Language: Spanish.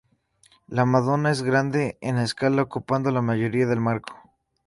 La Madonna es grande en escala, ocupando la mayoría del marco.